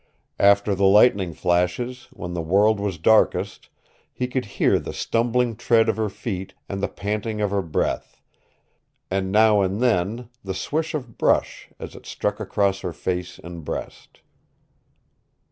After the lightning flashes, when the world was darkest, he could hear the stumbling tread of her feet and the panting of her breath, and now and then the swish of brush as it struck across her face and breast.